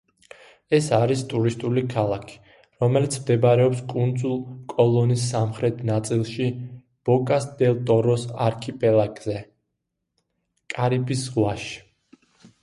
ეს არის ტურისტული ქალაქი, რომელიც მდებარეობს კუნძულ კოლონის სამხრეთ ნაწილში ბოკას-დელ-ტოროს არქიპელაგზე, კარიბის ზღვაში.